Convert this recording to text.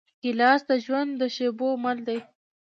ګیلاس د ژوند د شېبو مل دی.